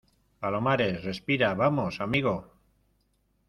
palomares, respira. vamos , amigo .